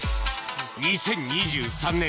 ２０２３年